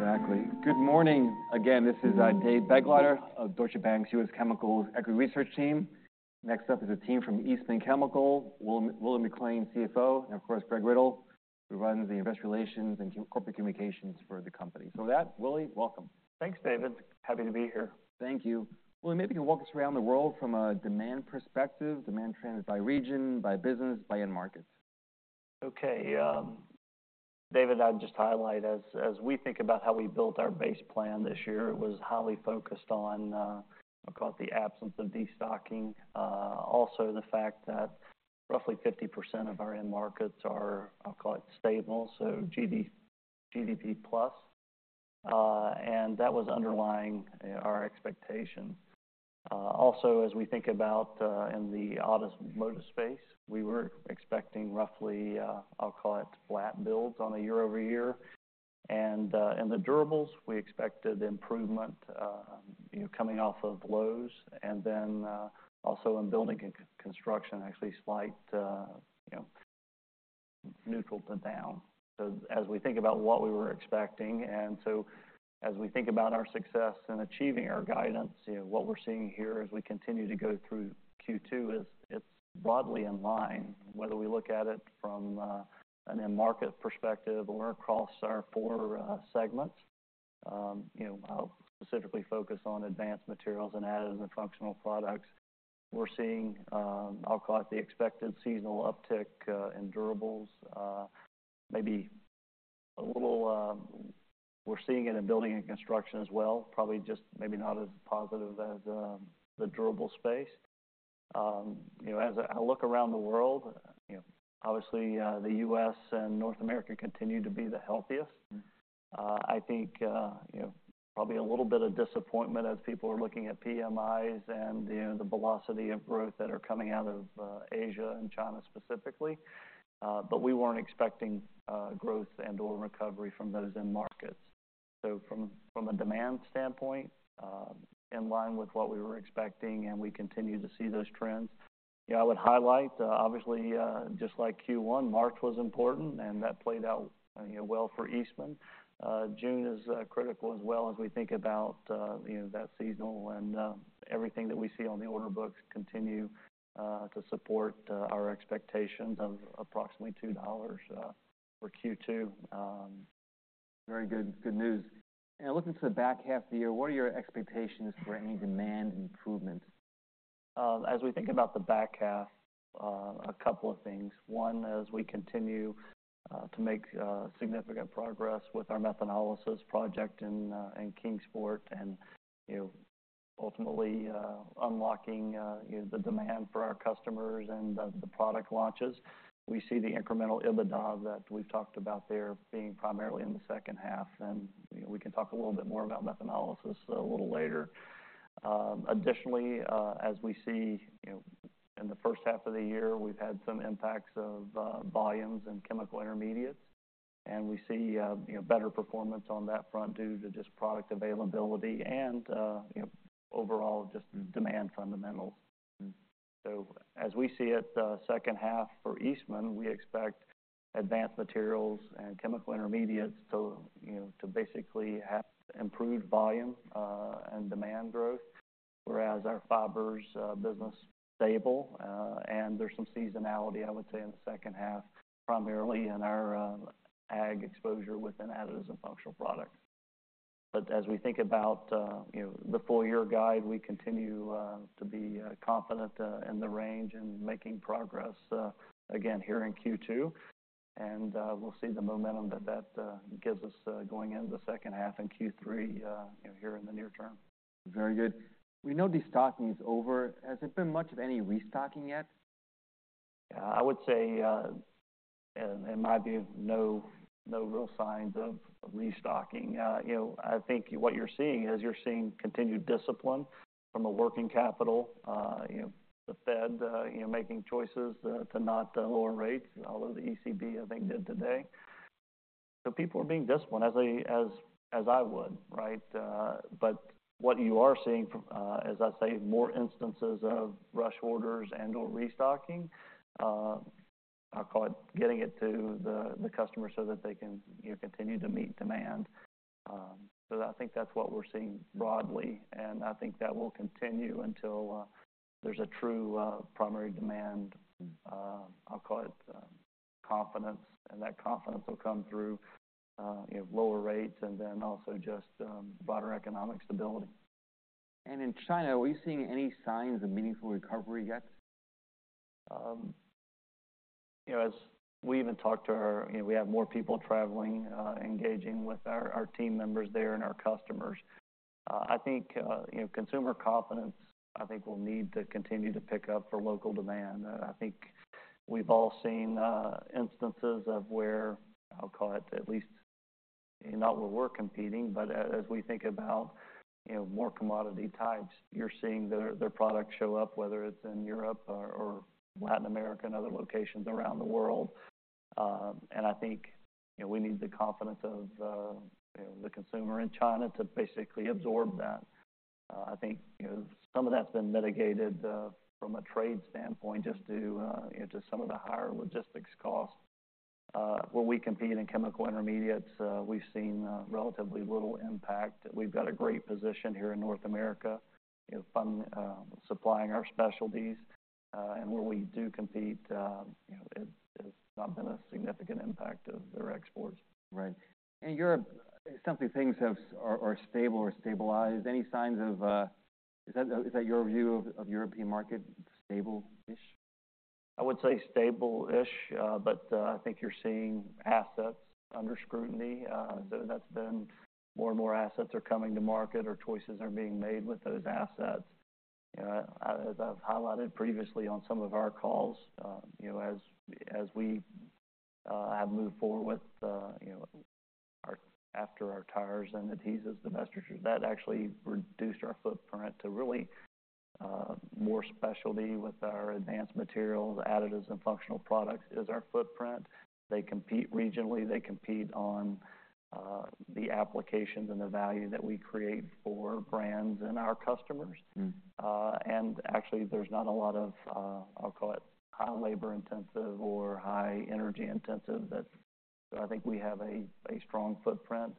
Exactly. Good morning. Again, this is Dave Begleiter of Deutsche Bank's US Chemicals Equity Research team. Next up is a team from Eastman Chemical, Willie McLain, CFO, and of course, Greg Riddle, who runs the investor relations and corporate communications for the company. So with that, Willie, welcome. Thanks, David. Happy to be here. Thank you. Willie, maybe you can walk us around the world from a demand perspective, demand trends by region, by business, by end markets? Okay, David, I'd just highlight as we think about how we built our base plan this year, it was highly focused on, I'll call it the absence of destocking. Also, the fact that roughly 50% of our end markets are, I'll call it stable, so GDP plus, and that was underlying our expectations. Also, as we think about, in the auto motor space, we were expecting roughly, I'll call it flat builds on a year-over-year. And, in the durables, we expected improvement, you know, coming off of lows, and then, also in building construction, actually slight, you know, neutral to down. So as we think about what we were expecting, and so as we think about our success in achieving our guidance, you know, what we're seeing here as we continue to go through Q2 is it's broadly in line, whether we look at it from an end market perspective or across our four segments. You know, I'll specifically focus on advanced materials and additives and functional products. We're seeing, I'll call it the expected seasonal uptick in durables, maybe a little. We're seeing it in building and construction as well, probably just maybe not as positive as the durable space. You know, as I look around the world, you know, obviously, the U.S. and North America continue to be the healthiest. I think, you know, probably a little bit of disappointment as people are looking at PMIs and, you know, the velocity of growth that are coming out of, Asia and China specifically, but we weren't expecting, growth and or recovery from those end markets. So from a demand standpoint, in line with what we were expecting, and we continue to see those trends. Yeah, I would highlight, obviously, just like Q1, March was important, and that played out, you know, well for Eastman. June is, critical as well as we think about, you know, that seasonal and, everything that we see on the order books continue, to support, our expectations of approximately $2 for Q2. Very good, good news. Looking to the back half of the year, what are your expectations for any demand improvements? As we think about the back half, a couple of things. One, as we continue to make significant progress with our methanolysis project in Kingsport and, you know, ultimately unlocking you know the demand for our customers and the product launches, we see the incremental EBITDA that we've talked about there being primarily in the second half, and, you know, we can talk a little bit more about methanolysis a little later. Additionally, as we see, you know, in the first half of the year, we've had some impacts of volumes and chemical intermediates, and we see, you know, better performance on that front due to just product availability and, you know, overall, just demand fundamentals. So as we see it, second half for Eastman, we expect advanced materials and chemical intermediates to, you know, to basically have improved volume and demand growth, whereas our fibers business stable, and there's some seasonality, I would say, in the second half, primarily in our ag exposure within additives and functional products. But as we think about, you know, the full year guide, we continue to be confident in the range and making progress, again, here in Q2, and we'll see the momentum that that gives us going into the second half in Q3, you know, here in the near term. Very good. We know destocking is over. Has there been much of any restocking yet? Yeah, I would say, in my view, no real signs of restocking. You know, I think what you're seeing is you're seeing continued discipline from a working capital, you know, the Fed making choices to not lower rates, although the ECB, I think, did today. So people are being disciplined as I would, right? But what you are seeing from, as I say, more instances of rush orders and or restocking, I call it, getting it to the customer so that they can, you know, continue to meet demand. So I think that's what we're seeing broadly, and I think that will continue until there's a true primary demand. I'll call it confidence, and that confidence will come through, you know, lower rates and then also just broader economic stability. In China, are we seeing any signs of meaningful recovery yet? You know, as we even talk to our... You know, we have more people traveling, engaging with our team members there and our customers. I think, you know, consumer confidence, I think, will need to continue to pick up for local demand. I think we've all seen instances of where, I'll call it, at least not where we're competing, but as we think about, you know, more commodity types, you're seeing their products show up, whether it's in Europe or Latin America and other locations around the world. And I think, you know, we need the confidence of, you know, the consumer in China to basically absorb that. I think, you know, some of that's been mitigated, from a trade standpoint, just to, you know, just some of the higher logistics costs. Where we compete in chemical intermediates, we've seen relatively little impact. We've got a great position here in North America, you know, from supplying our specialties, and where we do compete, you know, it's not been a significant impact of their exports. Right. In Europe, some things have stabilized. Any signs of... Is that your view of European market, stable-ish? I would say stable-ish, but I think you're seeing assets under scrutiny. So that's been more and more assets are coming to market or choices are being made with those assets. You know, as I've highlighted previously on some of our calls, you know, as we have moved forward with, you know, after our tires and adhesives divestitures, that actually reduced our footprint to really, more specialty with our advanced materials, additives, and functional products is our footprint. They compete regionally, they compete on the applications and the value that we create for brands and our customers. And actually, there's not a lot of, I'll call it, high labor intensive or high energy intensive. That's so I think we have a strong footprint,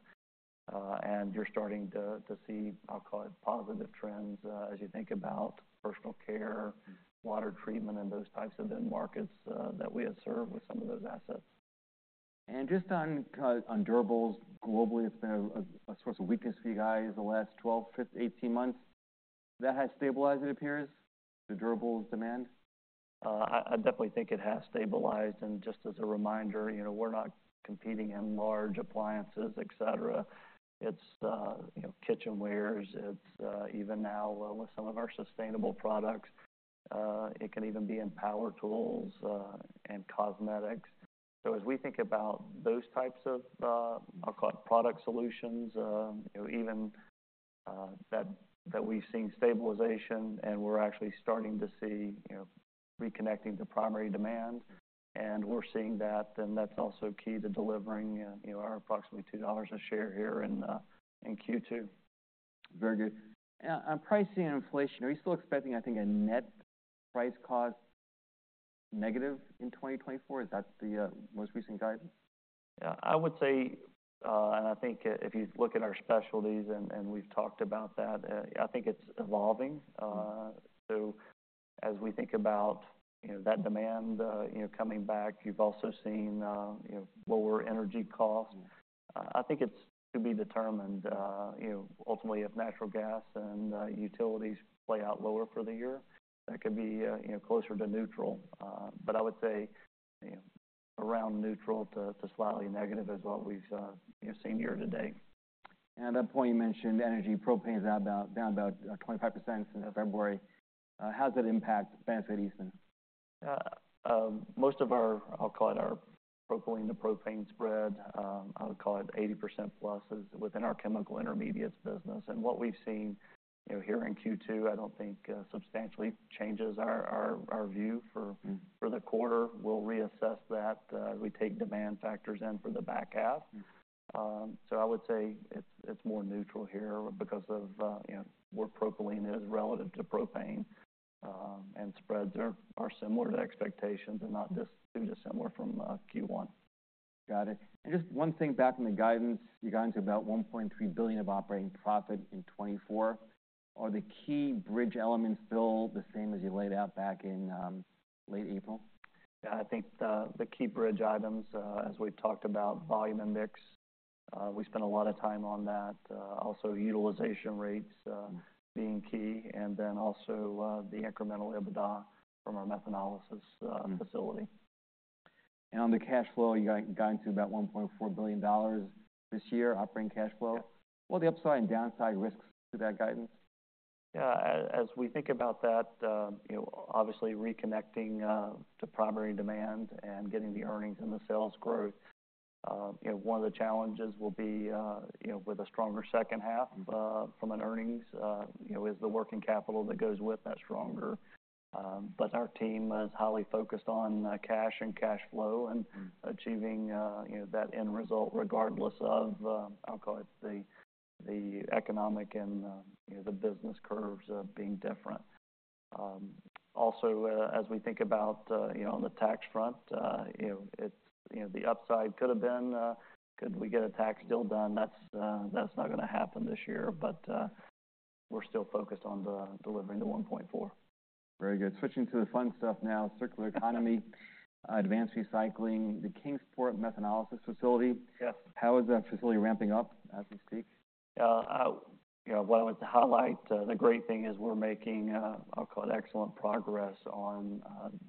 and you're starting to see, I'll call it, positive trends, as you think about personal care, water treatment, and those types of end markets, that we have served with some of those assets. Just on durables globally, it's been a source of weakness for you guys the last 12-18 months. That has stabilized, it appears, the durables demand? I definitely think it has stabilized, and just as a reminder, you know, we're not competing in large appliances, et cetera. It's, you know, kitchenwares, it's even now with some of our sustainable products, it can even be in power tools, and cosmetics. So as we think about those types of, I'll call it, product solutions, you know, even that we've seen stabilization, and we're actually starting to see, you know, reconnecting to primary demand, and we're seeing that, then that's also key to delivering, you know, our approximately $2 a share here in Q2. Very good. On pricing and inflation, are you still expecting, I think, a net price cost negative in 2024? Is that the most recent guidance? Yeah, I would say, and I think if you look at our specialties, and we've talked about that, I think it's evolving. So as we think about, you know, that demand, you know, coming back, you've also seen, you know, lower energy costs. I think it's to be determined, you know, ultimately, if natural gas and utilities play out lower for the year, that could be, you know, closer to neutral. But I would say, you know, around neutral to slightly negative is what we've, you know, seen year to date. At that point, you mentioned energy. Propane is at about, down about 25% since February. How does that impact advanced adhesives? Most of our, I'll call it, our propylene to propane spread, I would call it 80% plus, is within our chemical intermediates business. And what we've seen, you know, here in Q2, I don't think substantially changes our view for the quarter. We'll reassess that, we take demand factors in for the back half. So I would say it's, it's more neutral here because of, you know, where propylene is relative to propane, and spreads are, are similar to expectations and not just, pretty similar from, Q1. Got it. Just one thing back on the guidance. You got into about $1.3 billion of operating profit in 2024. Are the key bridge elements still the same as you laid out back in late April? Yeah, I think, the key bridge items, as we've talked about, volume and mix, we spent a lot of time on that, also utilization rates, being key, and then also, the incremental EBITDA from our methanolysis facility. On the cash flow, you got going to about $1.4 billion this year, operating cash flow. Yeah. What are the upside and downside risks to that guidance? Yeah, as we think about that, you know, obviously reconnecting to primary demand and getting the earnings and the sales growthYou know, one of the challenges will be, you know, with a stronger second half, from an earnings, you know, is the working capital that goes with that stronger. But our team is highly focused on cash and cash flow and achieving, you know, that end result, regardless of, I'll call it, the economic and, you know, the business curves, being different. Also, as we think about, you know, on the tax front, you know, it's, you know, the upside could have been, could we get a tax deal done? That's not going to happen this year, but, we're still focused on delivering the $1.4. Very good. Switching to the fun stuff now, circular economy advanced recycling, the Kingsport methanolysis facility. Yes. How is that facility ramping up as we speak? You know, what I would highlight, the great thing is we're making, I'll call it, excellent progress on,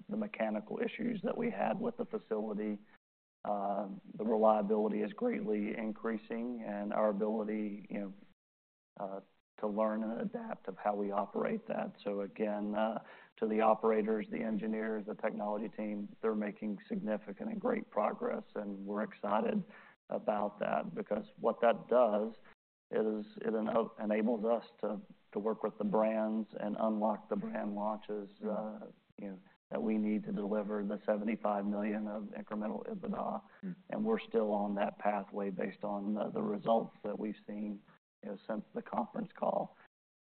the mechanical issues that we had with the facility. The reliability is greatly increasing, and our ability, you know, to learn and adapt of how we operate that. So again, to the operators, the engineers, the technology team, they're making significant and great progress, and we're excited about that. Because what that does is it enables us to work with the brands and unlock the brand launches, you know, that we need to deliver the $75 million of incremental EBITDA. We're still on that pathway based on the results that we've seen, you know, since the conference call.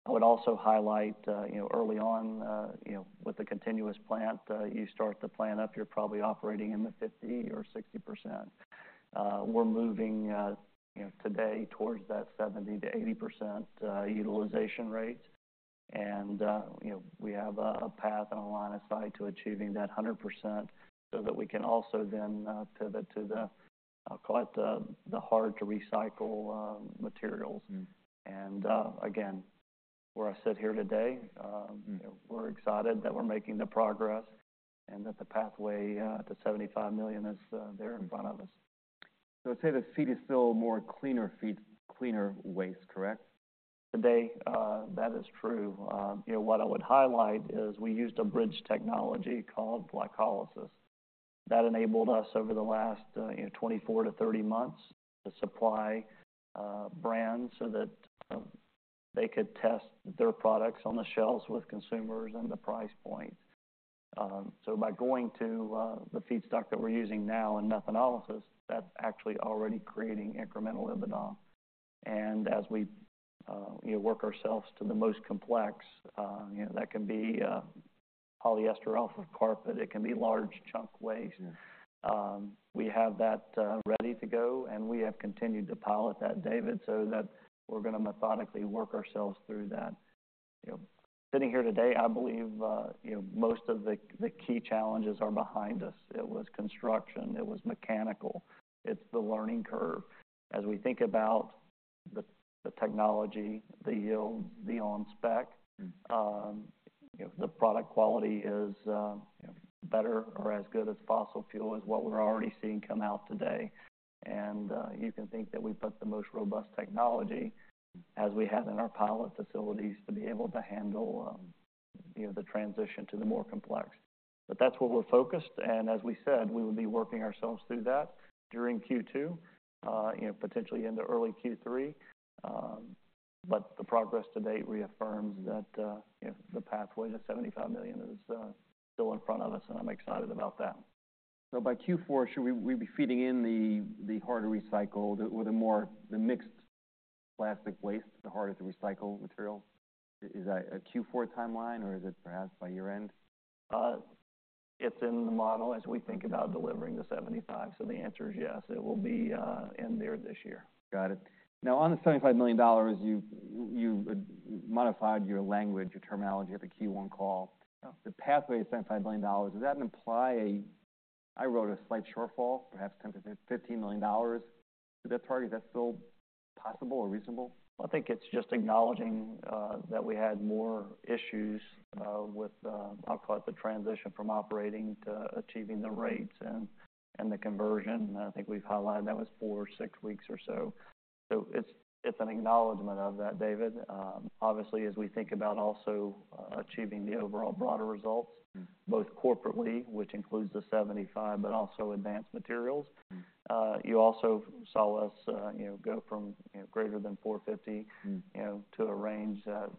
I would also highlight, you know, early on, you know, with the continuous plant, you start the plant up, you're probably operating in the 50% or 60%. We're moving, you know, today towards that 70%-80% utilization rate. And, you know, we have a path and a line of sight to achieving that 100%, so that we can also then to the, I'll call it the hard to recycle materials. Again, where I sit here today. We're excited that we're making the progress, and that the pathway to $75 million is there in front of us. So I'd say the feed is still more cleaner feed, cleaner waste, correct? Today, that is true. You know, what I would highlight is we used a bridge technology called Glycolysis. That enabled us over the last, you know, 24-30 months, to supply, brands so that, they could test their products on the shelves with consumers and the price point. So by going to, the feedstock that we're using now in Methanolysis, that's actually already creating incremental EBITDA. And as we, you know, work ourselves to the most complex, you know, that can be, polyester alpha carpet, it can be large chunk waste. We have that ready to go, and we have continued to pilot that, David, so that we're going to methodically work ourselves through that. You know, sitting here today, I believe you know, most of the key challenges are behind us. It was construction, it was mechanical, it's the learning curve. As we think about the technology, the yield, the on spec. You know, the product quality is, you know, better or as good as fossil fuel, as what we're already seeing come out today. And, you can think that we put the most robust technology as we have in our pilot facilities, to be able to handle, you know, the transition to the more complex. But that's where we're focused, and as we said, we will be working ourselves through that during Q2, you know, potentially into early Q3. But the progress to date reaffirms that, you know, the pathway to $75 million is, still in front of us, and I'm excited about that. So by Q4, should we be feeding in the harder recycled or the more mixed plastic waste, the harder to recycle material? Is that a Q4 timeline, or is it perhaps by year-end? It's in the model as we think about delivering the $75. So the answer is yes, it will be in there this year. Got it. Now, on the $75 million, you modified your language, your terminology at the Q1 call. Yeah. The pathway to $75 million, does that imply a... I wrote a slight shortfall, perhaps $10 million-$15 million. To that target, is that still possible or reasonable? I think it's just acknowledging that we had more issues with, I'll call it, the transition from operating to achieving the rates and the conversion. I think we've highlighted that was 4 or 6 weeks or so. So it's an acknowledgment of that, David. Obviously, as we think about also achieving the overall broader results both corporately, which includes the 75, but also advanced materials. You also saw us, you know, go from, you know, greater than 450. You know, to a range that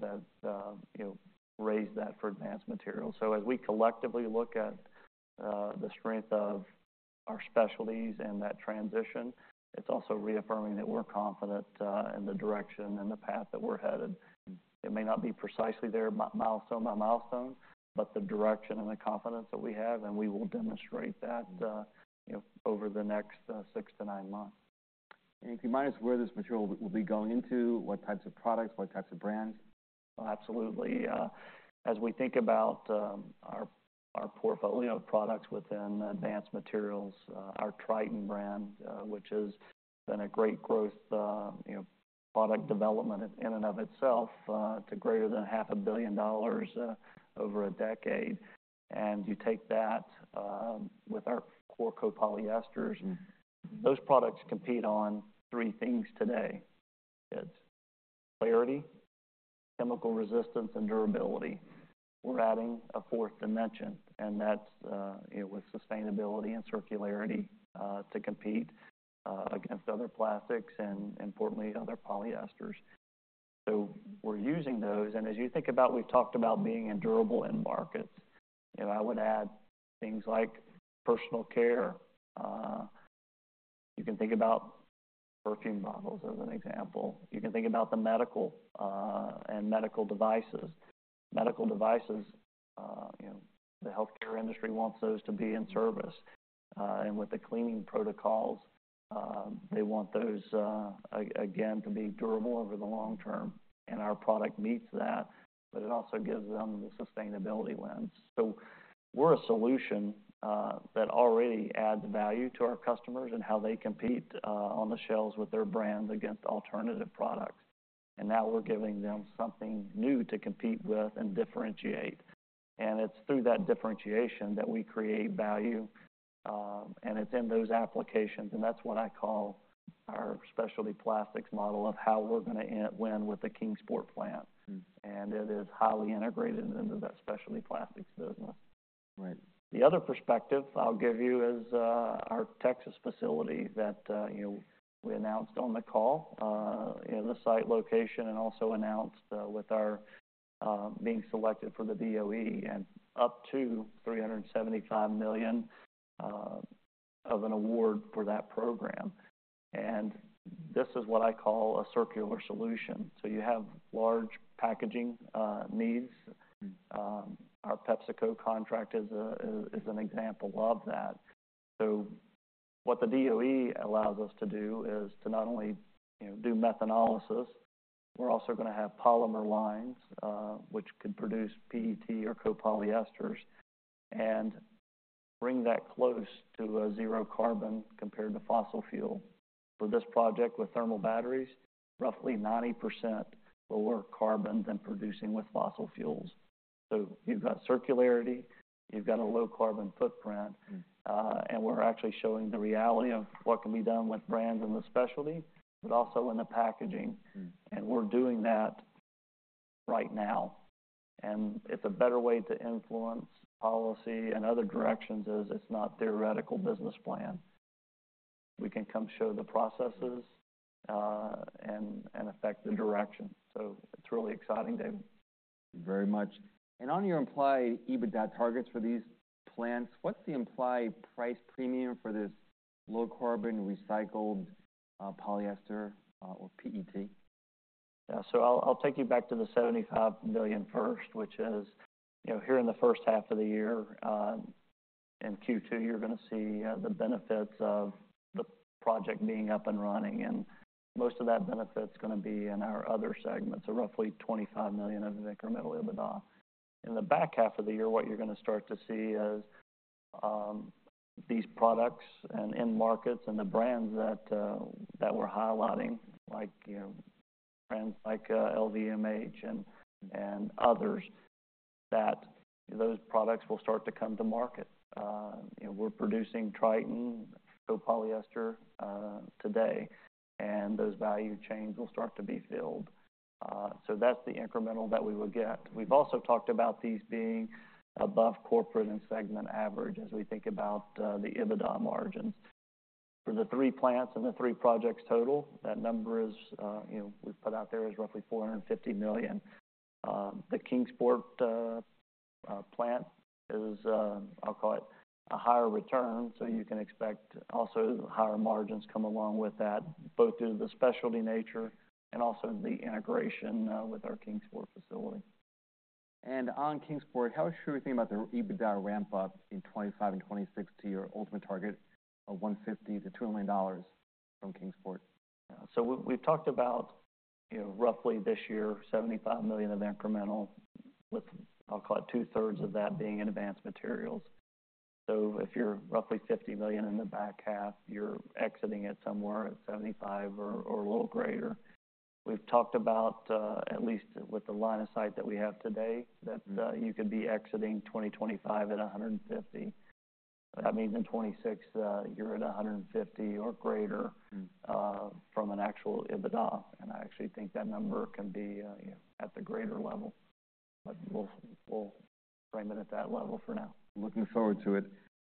you know, raised that for advanced materials. So as we collectively look at the strength of our specialties and that transition, it's also reaffirming that we're confident in the direction and the path that we're headed. It may not be precisely there, milestone by milestone, but the direction and the confidence that we have, and we will demonstrate that. You know, over the next 6-9 months. If you mind, where this material will be going into, what types of products, what types of brands? Absolutely. As we think about our portfolio of products within advanced materials, our Tritan brand, which has been a great growth, you know, product development in and of itself, to greater than $500 million, over a decade. And you take that, with our core copolyesters. Those products compete on three things today. It's clarity, chemical resistance, and durability. We're adding a fourth dimension, and that's, you know, with sustainability and circularity, to compete, against other plastics and importantly, other polyesters. So we're using those, and as you think about-- we've talked about being in durable end markets, you know, I would add things like personal care. You can think about perfume bottles as an example. You can think about the medical, and medical devices. Medical devices, you know, the healthcare industry wants those to be in service. And with the cleaning protocols, they want those, again, to be durable over the long term, and our product meets that, but it also gives them the sustainability lens. So we're a solution that already adds value to our customers and how they compete on the shelves with their brands against alternative products. And now we're giving them something new to compete with and differentiate. And it's through that differentiation that we create value, and it's in those applications, and that's what I call our specialty plastics model of how we're going to win with the Kingsport plant. It is highly integrated into that specialty plastics business. Right. The other perspective I'll give you is, our Texas facility that, you know, we announced on the call, you know, the site location and also announced, being selected for the DOE and up to $375 million of an award for that program. And this is what I call a circular solution. So you have large packaging needs. Our PepsiCo contract is a, is, is an example of that. So what the DOE allows us to do is to not only, you know, do methanolysis, we're also going to have polymer lines, which could produce PET or copolyesters and bring that close to a zero carbon compared to fossil fuel. For this project with thermal batteries, roughly 90% lower carbon than producing with fossil fuels. So you've got circularity, you've got a low carbon footprint, and we're actually showing the reality of what can be done with brands in the specialty, but also in the packaging. We're doing that right now, and it's a better way to influence policy and other directions, as it's not theoretical business plan. We can come show the processes, and affect the direction. So it's really exciting, David. Very much. On your implied EBITDA targets for these plants, what's the implied price premium for this low-carbon recycled polyester or PET? Yeah. So I'll, I'll take you back to the $75 million first, which is, you know, here in the first half of the year, in Q2, you're going to see, the benefits of the project being up and running, and most of that benefit's going to be in our other segments, so roughly $25 million of incremental EBITDA. In the back half of the year, what you're going to start to see is, these products and end markets and the brands that, that we're highlighting, like, you know, brands like, LVMH and, and others, that those products will start to come to market. You know, we're producing Tritan copolyester, today, and those value chains will start to be filled. So that's the incremental that we would get. We've also talked about these being above corporate and segment average as we think about the EBITDA margins. For the three plants and the three projects total, that number is, you know, we've put out there, is roughly $450 million. The Kingsport plant is, I'll call it a higher return, so you can expect also higher margins come along with that, both due to the specialty nature and also the integration with our Kingsport facility. On Kingsport, how should we think about the EBITDA ramp-up in 2025 and 2026, your ultimate target of $150 million-$200 million from Kingsport? So we've talked about, you know, roughly this year, $75 million of incremental, with, I'll call it two-thirds of that being in advanced materials. So if you're roughly $50 million in the back half, you're exiting it somewhere at 75 or a little greater. We've talked about, at least with the line of sight that we have today, that you could be exiting 2025 at $150. That means in 2026, you're at $150 or greater from an actual EBITDA, and I actually think that number can be at the greater level, but we'll frame it at that level for now. Looking forward to it.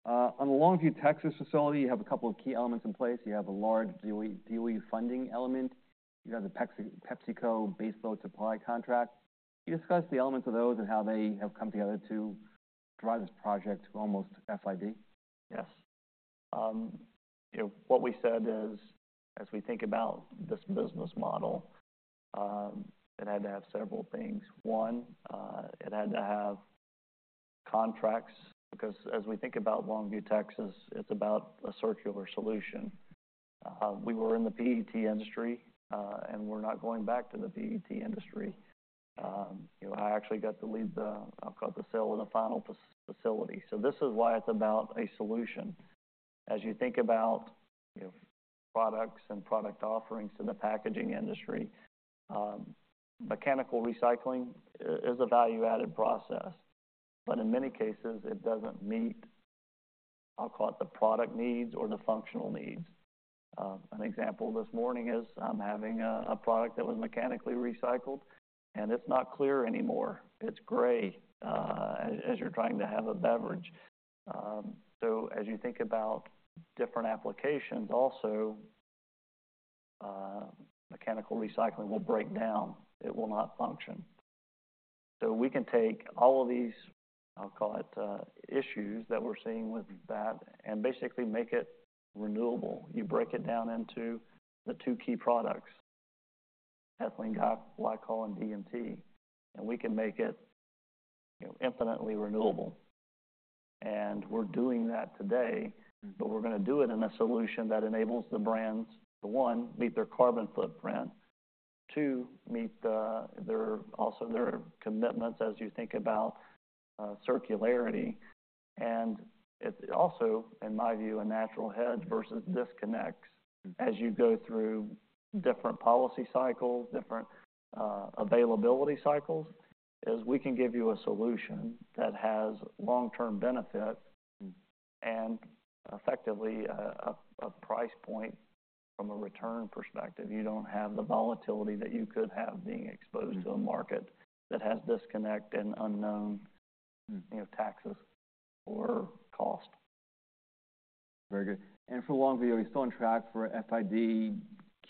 On the Longview, Texas, facility, you have a couple of key elements in place. You have a large DOE funding element. You have the PepsiCo base load supply contract. Can you discuss the elements of those and how they have come together to drive this project to almost FID? Yes. You know, what we said is, as we think about this business model, it had to have several things. One, it had to have contracts, because as we think about Longview, Texas, it's about a circular solution. We were in the PET industry, and we're not going back to the PET industry. You know, I actually got to lead the, I'll call it, the sale of the final facility, so this is why it's about a solution. As you think about, you know, products and product offerings to the packaging industry, mechanical recycling is a value-added process, but in many cases it doesn't meet, I'll call it, the product needs or the functional needs. An example this morning is I'm having a product that was mechanically recycled, and it's not clear anymore. It's grey, as you're trying to have a beverage. So as you think about different applications, also, mechanical recycling will break down. It will not function. So we can take all of these, I'll call it, issues that we're seeing with that and basically make it renewable. You break it down into the two key products, ethylene glycol and DMT, and we can make it, you know, infinitely renewable. And we're doing that today. But we're going to do it in a solution that enables the brands to, one, meet their carbon footprint. Two, meet their, also their commitments as you think about circularity. And it's also, in my view, a natural hedge versus disconnects as you go through different policy cycles, different availability cycles, is we can give you a solution that has long-term benefit and effectively, a price point from a return perspective. You don't have the volatility that you could have being exposed to a market that has disconnect and unknown you know, taxes or cost. Very good. And for Longview, are you still on track for FID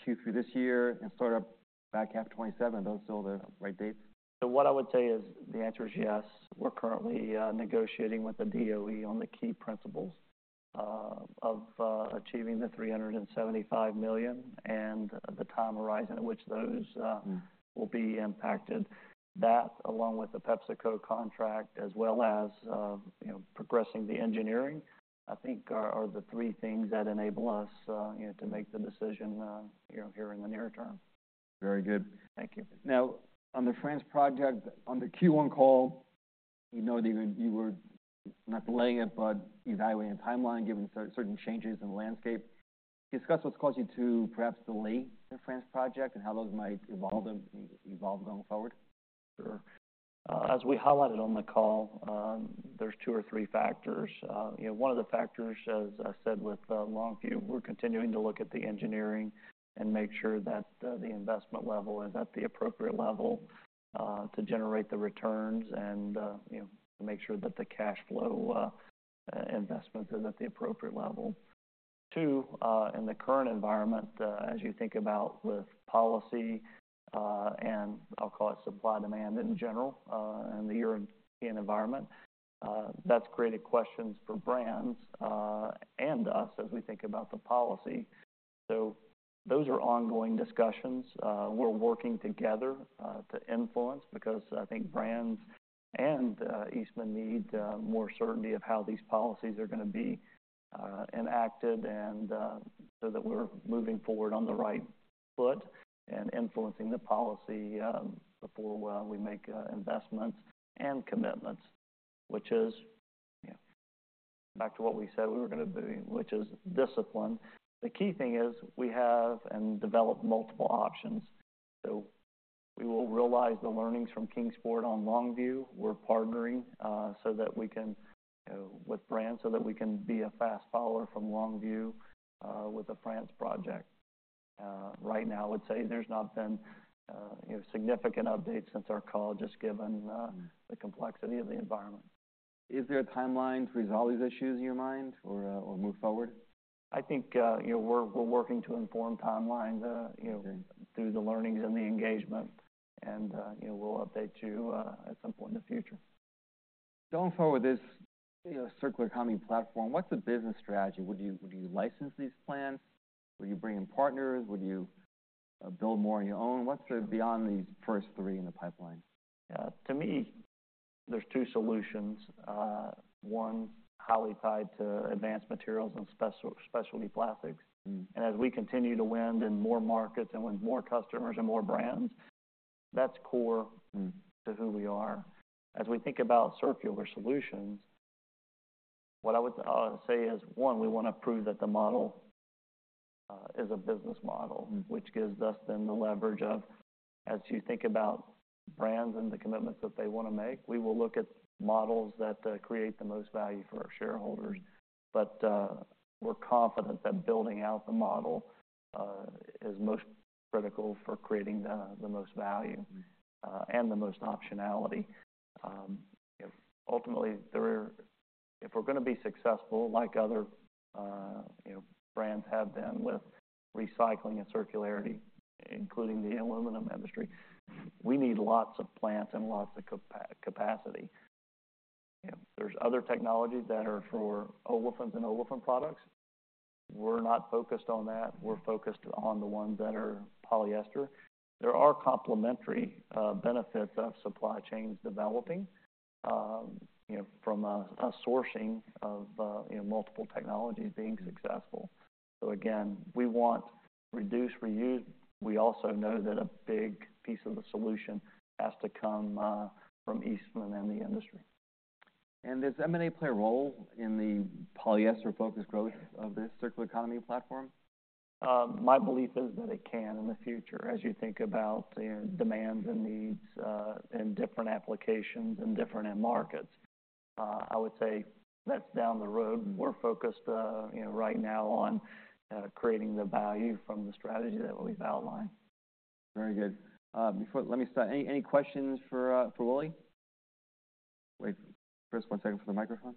Q3 this year and start up back half 2027? Are those still the right dates? So what I would say is, the answer is yes. We're currently negotiating with the DOE on the key principles of achieving the $375 million, and the time horizon in which those will be impacted. That, along with the PepsiCo contract, as well as, you know, progressing the engineering, I think are the three things that enable us, you know, to make the decision, you know, here in the near term. Very good. Thank you. Now, on the France project, on the Q1 call, you know, that you were not delaying it, but evaluating the timeline, given certain changes in the landscape. Can you discuss what's caused you to perhaps delay the France project, and how those might evolve going forward? Sure. As we highlighted on the call, there's two or three factors. You know, one of the factors, as I said, with Longview, we're continuing to look at the engineering and make sure that the investment level is at the appropriate level to generate the returns and, you know, make sure that the cash flow investment is at the appropriate level. Two, in the current environment, as you think about with policy, and I'll call it supply-demand in general, in the European environment, that's created questions for brands, and us, as we think about the policy. So those are ongoing discussions. We're working together to influence, because I think brands and Eastman need more certainty of how these policies are going to be enacted and so that we're moving forward on the right foot and influencing the policy before we make investments and commitments, which is, you know, back to what we said we were going to be, which is discipline. The key thing is we have and develop multiple options. So we will realize the learnings from Kingsport on Longview. We're partnering so that we can with brands, so that we can be a fast follower from Longview with the France project. Right now, I'd say there's not been, you know, significant updates since our call, just given the complexity of the environment. Is there a timeline to resolve these issues in your mind or, or move forward? I think, you know, we're, we're working to inform timelines, you know. Okay Through the learnings and the engagement, and, you know, we'll update you at some point in the future. Going forward with this, you know, circular economy platform, what's the business strategy? Would you license these plans? Would you bring in partners? Would you build more on your own? What's the beyond these first three in the pipeline? Yeah, to me, there's two solutions. One, highly tied to advanced materials and specialty plastics. As we continue to win in more markets and with more customers and more brands, that's core to who we are. As we think about circular solutions, what I would say is, one, we want to prove that the model is a business model. Which gives us then the leverage of, as you think about brands and the commitments that they want to make, we will look at models that create the most value for our shareholders. But, we're confident that building out the model is most critical for creating the, the most value and the most optionality. If ultimately, if we're going to be successful, like other, you know, brands have been with recycling and circularity, including the aluminum industry, we need lots of plants and lots of capacity. You know, there's other technologies that are for olefins and olefin products. We're not focused on that. We're focused on the ones that are polyester. There are complementary benefits of supply chains developing, you know, from a sourcing of, you know, multiple technologies being successful. So again, we want reduce, reuse. We also know that a big piece of the solution has to come from Eastman and the industry. Does M&A play a role in the polyester-focused growth of this circular economy platform? My belief is that it can in the future, as you think about, you know, demands and needs, and different applications and different end markets. I would say that's down the road. We're focused, you know, right now on creating the value from the strategy that we've outlined. Very good. Before, let me stop. Any questions for Willie? Wait, Chris, one second for the microphone.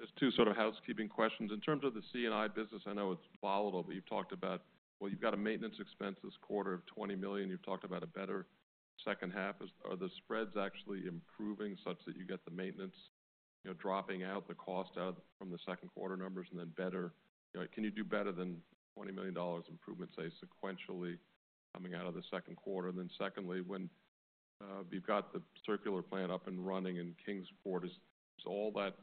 Just two sort of housekeeping questions. In terms of the C&I business, I know it's volatile, but you've talked about... Well, you've got a maintenance expense this quarter of $20 million. You've talked about a better second half. Are the spreads actually improving such that you get the maintenance, you know, dropping out, the cost out from the second quarter numbers and then better, can you do better than $20 million improvement, say, sequentially, coming out of the second quarter? And then secondly, when you've got the circular plant up and running in Kingsport, does all that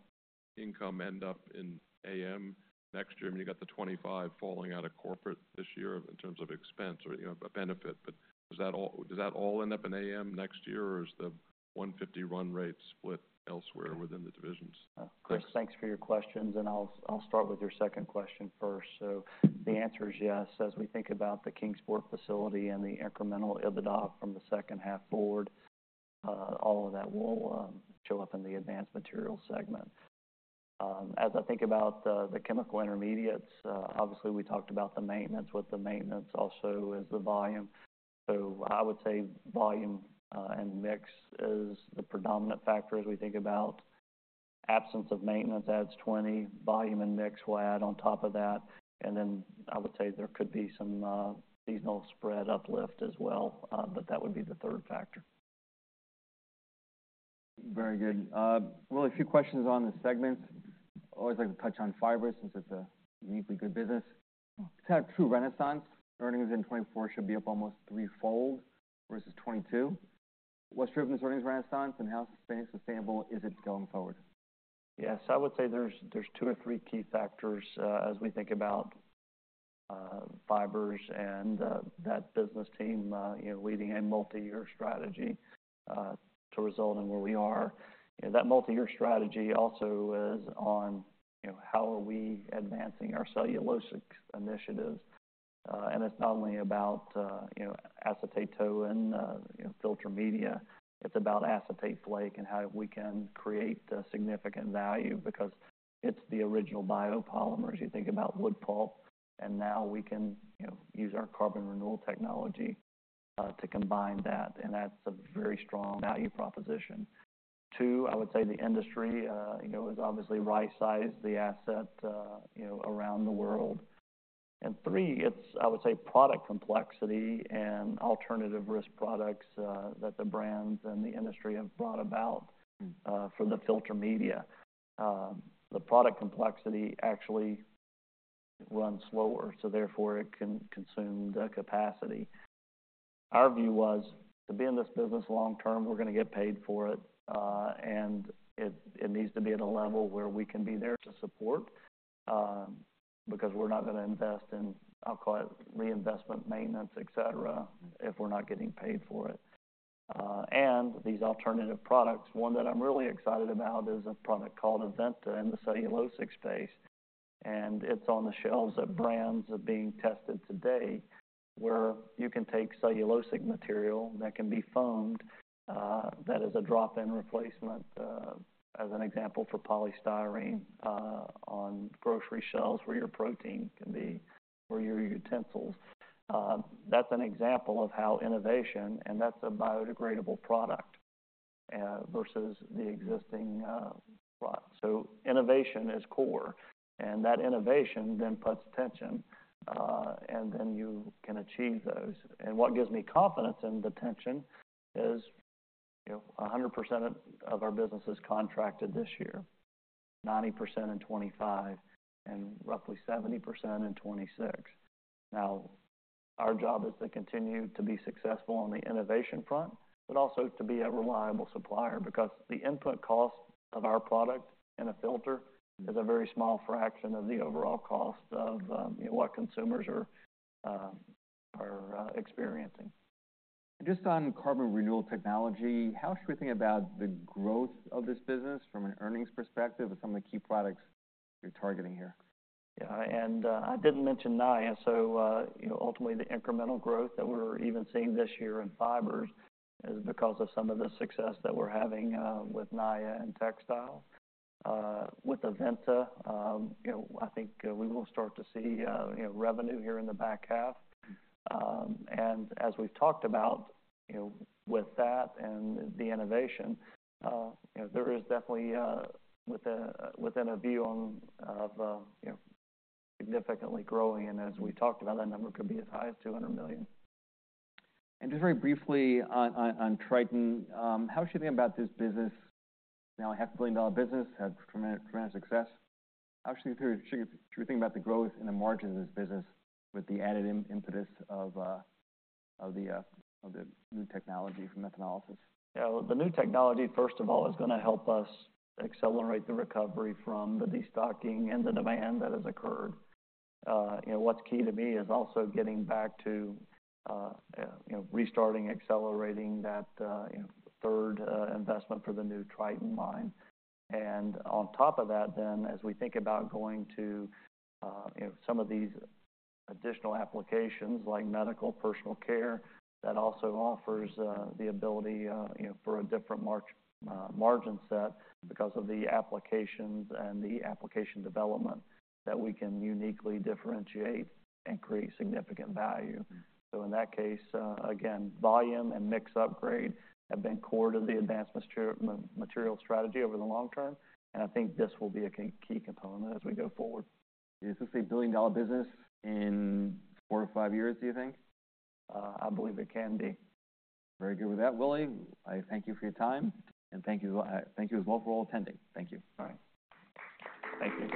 income end up in AM next year? I mean, you got the $25 falling out of corporate this year in terms of expense or, you know, a benefit, but does that all, does that all end up in AM next year, or is the $150 run rate split elsewhere within the divisions? Chris, thanks for your questions, and I'll start with your second question first. So the answer is yes. As we think about the Kingsport facility and the incremental EBITDA from the second half forward, all of that will show up in the advanced materials segment. As I think about the chemical intermediates, obviously, we talked about the maintenance. With the maintenance also is the volume. So I would say volume and mix is the predominant factor as we think about absence of maintenance adds $20, volume and mix will add on top of that, and then I would say there could be some seasonal spread uplift as well, but that would be the third factor. Very good. Well, a few questions on the segments. Always like to touch on fibers since it's a uniquely good business. It's had a true renaissance. Earnings in 2024 should be up almost threefold versus 2022. What's driven this earnings renaissance, and how sustainable is it going forward? Yes, I would say there's two or three key factors as we think about fibers and that business team leading a multi-year strategy to result in where we are. That multi-year strategy also is on, you know, how are we advancing our cellulosic initiatives? It's not only about, you know, acetate tow and filter media, it's about acetate flake and how we can create a significant value because it's the original biopolymers. You think about wood pulp, and now we can, you know, use our Carbon Renewal Technology to combine that, and that's a very strong value proposition. Two, I would say the industry, you know, has obviously rightsized the asset, you know, around the world. And three, it's, I would say, product complexity and alternative risk products that the brands and the industry have brought about for the filter media. The product complexity actually runs slower, so therefore it can consume the capacity. Our view was, to be in this business long term, we're going to get paid for it, and it, it needs to be at a level where we can be there to support, because we're not going to invest in, I'll call it, reinvestment, maintenance, et cetera, if we're not getting paid for it. And these alternative products, one that I'm really excited about is a product called Aventa in the cellulosic space, and it's on the shelves of brands that are being tested today, where you can take cellulosic material that can be foamed, that is a drop-in replacement, as an example, for polystyrene, on grocery shelves, where your protein can be, or your utensils. That's an example of how innovation, and that's a biodegradable product, versus the existing product. So innovation is core, and that innovation then puts tension, and then you can achieve those. And what gives me confidence in the tension is, you know, 100% of our business is contracted this year, 90% in 2025, and roughly 70% in 2026. Now, our job is to continue to be successful on the innovation front, but also to be a reliable supplier, because the input cost of our product in a filter is a very small fraction of the overall cost of, you know, what consumers are experiencing. Just on Carbon renewal technology, how should we think about the growth of this business from an earnings perspective and some of the key products you're targeting here? Yeah, and I didn't mention Naia, so you know, ultimately, the incremental growth that we're even seeing this year in fibers is because of some of the success that we're having with Naia in textile. With Aventa, you know, I think we will start to see you know, revenue here in the back half. And as we've talked about, you know, with that and the innovation, you know, there is definitely within a view of you know, significantly growing, and as we talked about, that number could be as high as $200 million. Just very briefly on Tritan, how should we think about this business now? A $500 million business, had tremendous, tremendous success. How should we think about the growth and the margin of this business with the added impetus of the new technology from methanolysis? Yeah. The new technology, first of all, is going to help us accelerate the recovery from the destocking and the demand that has occurred. You know, what's key to me is also getting back to, you know, restarting, accelerating that, you know, third, investment for the new Tritan line. And on top of that then, as we think about going to, you know, some of these additional applications like medical, personal care, that also offers, you know, the ability, you know, for a different margin set because of the applications and the application development that we can uniquely differentiate and create significant value. So in that case, again, volume and mix upgrade have been core to the advanced materials strategy over the long term, and I think this will be a key component as we go forward. Is this a billion-dollar business in four or five years, do you think? I believe it can be. Very good with that, Willie. I thank you for your time, and thank you, thank you as well for all attending. Thank you. All right. Thank you.